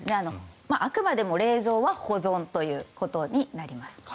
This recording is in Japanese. あくまでも冷蔵は保存ということになります。